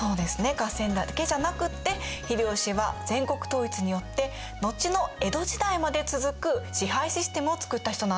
合戦だけじゃなくって秀吉は全国統一によって後の江戸時代まで続く支配システムを作った人なんです。